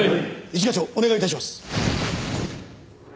一課長お願い致します。